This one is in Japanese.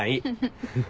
フフフ。